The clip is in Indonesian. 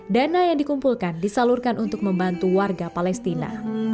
dana yang dikumpulkan disalurkan untuk membantu warga palestina